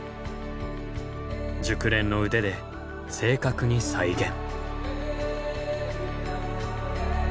熟練の腕で正確に再現。